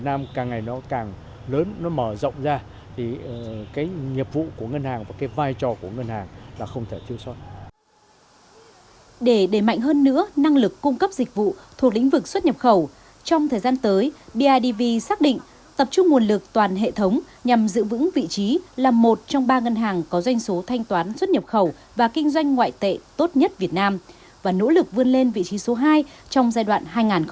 trong thời gian tới bidv xác định tập trung nguồn lực toàn hệ thống nhằm giữ vững vị trí là một trong ba ngân hàng có doanh số thanh toán xuất nhập khẩu và kinh doanh ngoại tệ tốt nhất việt nam và nỗ lực vươn lên vị trí số hai trong giai đoạn hai nghìn một mươi chín hai nghìn hai mươi hai